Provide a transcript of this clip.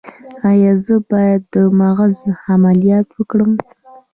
ایا زه باید د مغز عملیات وکړم؟